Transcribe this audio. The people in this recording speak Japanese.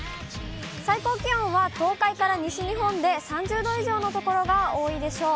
最高気温は東海から西日本で３０度以上の所が多いでしょう。